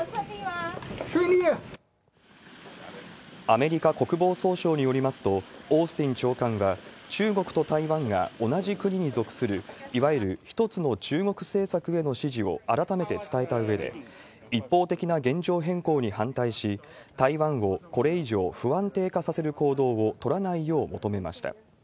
アメリカ国防総省によりますと、オースティン長官が、中国と台湾が同じ国に属する、いわゆる一つの中国政策への支持を改めて伝えたうえで、一方的な現状変更に反対し、台湾をこれ以上不安定化させる行動を取らないよう求めました。